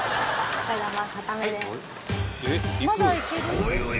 ［おいおい